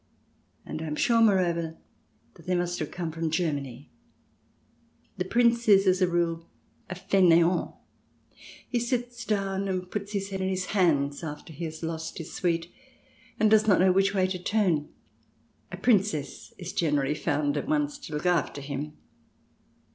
And I am sure, moreover, that they must have come from Germany. The Prince is, as a rule, a faineant. He sits down, and puts his head in his 62 THE DESIRABLE ALIEN [ch. v hands after he has lost his suite, and does not know which way to turn. A Princess is generally found at once to look after him.